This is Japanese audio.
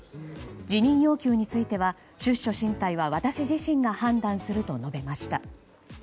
辞任要求については、出処進退は私自身が判断すると述べました。